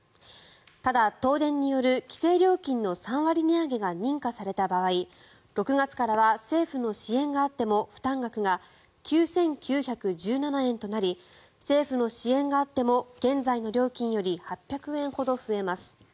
ただ、東電による規制料金の３割値上げが認可された場合６月からは政府の支援があっても負担額が９９１７円となり政府の支援があっても現在の料金より８００円ほど増えます。